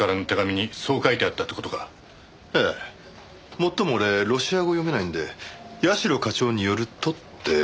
もっとも俺ロシア語読めないんで社課長によるとって事ですけども。